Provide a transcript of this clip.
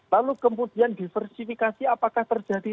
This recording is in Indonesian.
lalu kemudian diversifikasi apakah terjadi